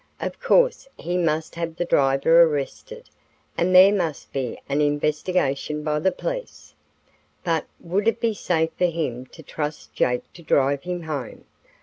Of course, he must have the driver arrested, and there must be an investigation by the police. But, would it be safe for him to trust Jake to drive him home?